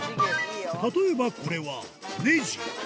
例えばこれはネジ。